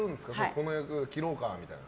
この役で切ろうかみたいな。